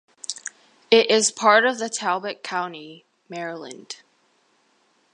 It is part of Talbot County, Maryland.